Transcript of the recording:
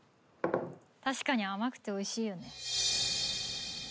確かに甘くておいしいよね。